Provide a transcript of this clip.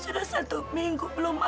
sudah satu minggu belum